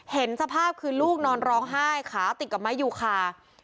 เห็นสภาพคือลูกนอนร้องไห้ขาติดกับไม้ยูคา